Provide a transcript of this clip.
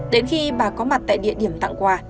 đến khi bà có mặt tại địa điểm tặng quà